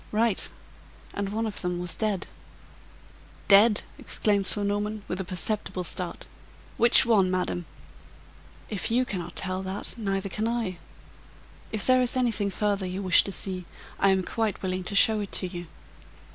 "Right! and one of them was dead." "Dead!" exclaimed Sir Norman, with a perceptible start. "Which one, madam?" "If you cannot tell that, neither can I. If there is anything further you wish to see, I am quite willing to show it to you."